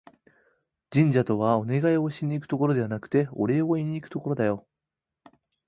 神社とは、お願いをしに行くところではなくて、お礼を言いにいくところだよ